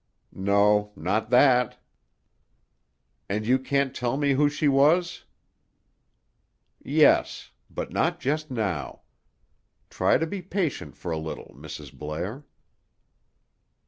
"No. Not that." "And you can't tell me who she was?" "Yes; but not just now. Try to be patient for a little, Mrs. Blair."